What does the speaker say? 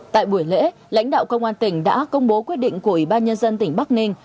tại buổi lễ lãnh đạo công an tỉnh đã công bố quyết định của ủy ban nhân dân tỉnh bắc ninh